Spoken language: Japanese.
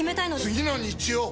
次の日曜！